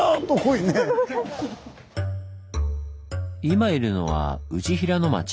今いるのは内平野町。